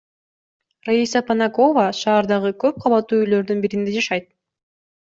Раиса Понакова шаардагы көп кабаттуу үйлөрдүн биринде жашайт.